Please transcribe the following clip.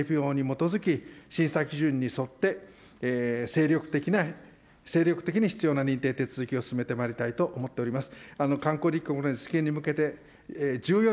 引き続きＩＲ政府に基づき、審査基準に沿って、精力的な、精力的に必要な認定手続きを進めてまいりたいと思っております。